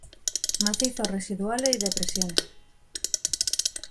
Macizos residuales y depresiones.